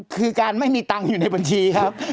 คือการไม่มีตังค์อยู่ในบัญชีครับ